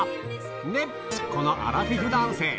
で、このアラフィフ男性。